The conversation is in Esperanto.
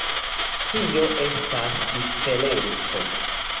Tio estas diferenco.